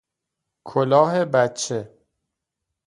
کلاه بچه